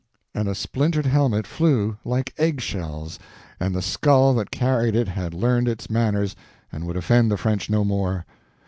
and a splintered helmet flew like eggshells, and the skull that carried it had learned its manners and would offend the French no more.